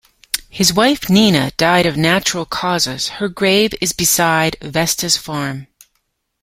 His wife, Nina, died of natural causes; her grave is beside Vesta's farm.